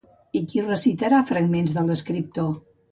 I qui recitarà fragments de l'escriptor?